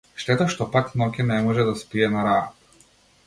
Штета што пак ноќе не може да спие на раат.